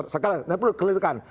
sekarang perlu dikelirikan